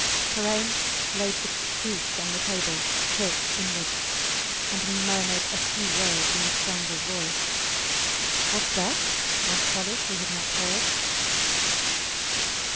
Karain laid the kriss on the table, hilt inwards, and murmured a few words in a strangled voice. Whats that? asked Hollis, who had not heard.